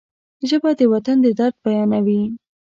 ژبه د وطن د درد بیانوي